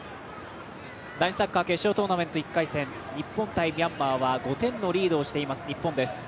男子サッカー決勝トーナメント１回戦日本×ミャンマーは５点のリードをしています。